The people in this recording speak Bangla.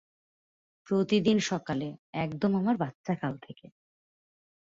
প্রতিদিন সকালে, একদম আমার বাচ্চাকাল থেকে।